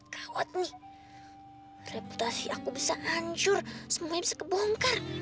kawat nih reputasi aku bisa hancur semuanya bisa kebongkar